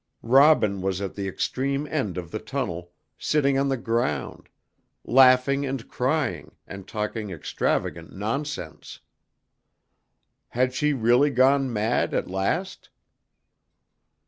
Robin was at the extreme end of the tunnel, sitting on the ground, laughing and crying and talking extravagant nonsense. Had she really gone mad, at last?